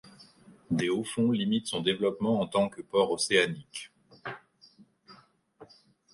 Des hauts-fonds limitent son développement en tant que port océanique.